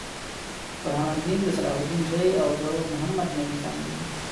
برهان الدين د صلاح الدین زوي او د محمدنبي زامن دي.